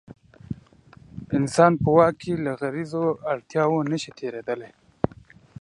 انسان په واک کې له غریزو اړتیاوو نه شي تېرېدلی.